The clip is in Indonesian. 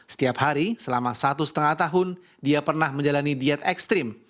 setiap hari selama satu setengah tahun dia pernah menjalani diet ekstrim